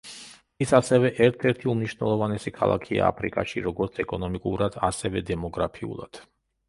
ის ასევე ერთ-ერთი უმნიშვნელოვანესი ქალაქია აფრიკაში როგორც ეკონომიკურად ასევე დემოგრაფიულად.